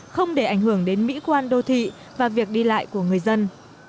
không để ảnh hưởng đến mỹ quan đô thị và việc đi lại của người dân